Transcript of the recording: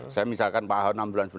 saya misalkan enam bulan sebelumnya